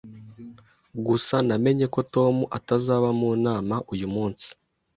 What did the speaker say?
Gusa namenye ko Tom atazaba mu nama uyu munsi